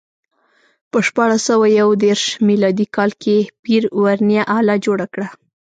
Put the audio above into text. په شپاړس سوه یو دېرش میلادي کال کې پير ورنیه آله جوړه کړه.